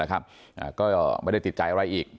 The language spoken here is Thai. ก็ไม่ได้ติดใจอะไรอีก